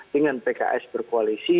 dengan pks berkoalisi